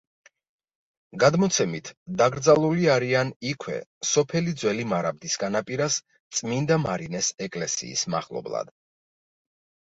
გადმოცემით, დაკრძალული არიან იქვე, სოფელი ძველი მარაბდის განაპირას წმინდა მარინეს ეკლესიის მახლობლად.